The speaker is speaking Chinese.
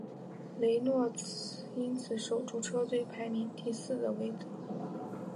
雷诺因此守住车队排名第四的位子。